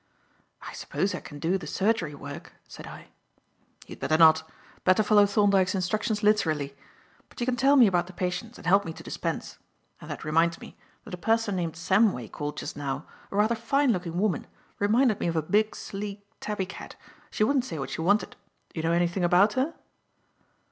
"I suppose I can do the surgery work," said I. "You'd better not. Better follow Thorndyke's instructions literally. But you can tell me about the patients and help me to dispense. And that reminds me that a person named Samway called just now, a rather fine looking woman reminded me of a big, sleek tabby cat. She wouldn't say what she wanted. Do you know anything about her?"